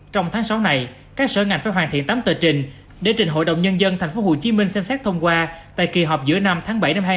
trong tháng sáu này các sở ngành phải hoàn thiện tám tờ trình để trình hội đồng nhân dân tp hcm xem xét thông qua tại kỳ họp giữa năm tháng bảy năm hai nghìn hai mươi